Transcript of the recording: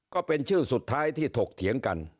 ก็เป็นชื่อสุดท้ายที่ถกเถียงกัน